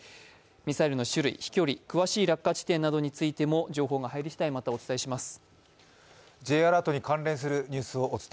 ミサイルの種類、飛距離詳しい落下地点などについても情報が入りしだいまたお伝えします。